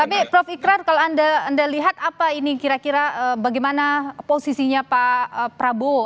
tapi prof ikrar kalau anda lihat apa ini kira kira bagaimana posisinya pak prabowo